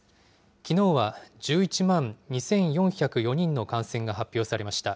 きのうは１１万２４０４人の感染が発表されました。